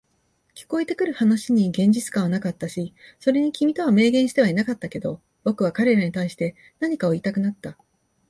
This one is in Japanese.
聞こえてくる話に現実感はなかったし、それに君とは明言してはいなかったけど、僕は彼らに対して何かを言いたくなった。